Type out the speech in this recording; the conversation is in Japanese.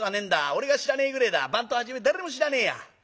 俺が知らねえぐれえだ番頭はじめ誰も知らねえや。